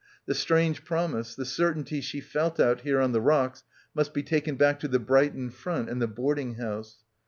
The strange promise, the certainty she felt out here on the rocks must be taken back to the Brighton front and the boarding house.